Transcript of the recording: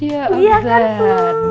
iya kan bu